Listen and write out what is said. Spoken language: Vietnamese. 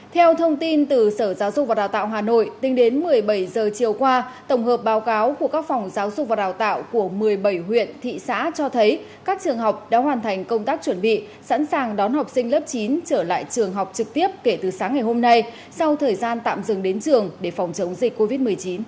theo thông tin từ sở giáo dục và đào tạo hà nội tính đến một mươi bảy giờ chiều qua tổng hợp báo cáo của các phòng giáo dục và đào tạo của một mươi bảy huyện thị xã cho thấy các trường học đã hoàn thành công tác chuẩn bị sẵn sàng đón học sinh lớp chín trở lại trường học trực tiếp kể từ sáng ngày hôm nay sau thời gian tạm dừng đến trường để phòng chống dịch covid một mươi chín